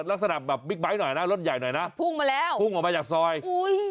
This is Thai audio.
ลักษณะแบบบิ๊กไบท์หน่อยนะรถใหญ่หน่อยนะพุ่งมาแล้วพุ่งออกมาจากซอยอุ้ย